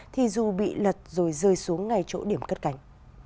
thì dù bị lật rồi rơi xuống ngay chỗ điểm cất cánh